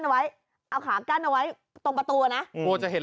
เอาไว้เอาขากั้นเอาไว้ตรงประตูอ่ะนะกลัวจะเห็น